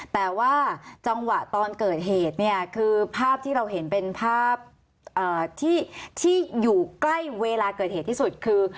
แต่ว่าจังหวะตอนเกิดเหตุเนี่ยคือภาพที่เราเห็นเป็นภาพที่อยู่ใกล้เวลาเกิดเหตุที่สุดคือ